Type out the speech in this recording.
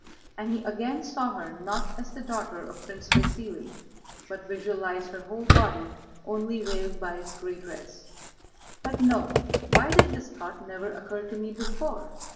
And he again saw her not as the daughter of Prince Vasíli, but visualized her whole body only veiled by its gray dress. "But no! Why did this thought never occur to me before?"